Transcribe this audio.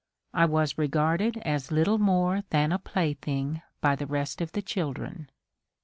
I was regarded as little more than a plaything by the rest of the children.